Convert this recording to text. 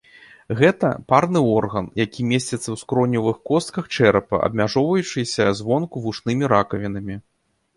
Гэта парны орган, які месціцца ў скроневых костках чэрапа, абмяжоўваючыся звонку вушнымі ракавінамі.